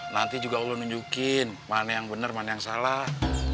nanti juga allah nunjukin mana yang benar mana yang salah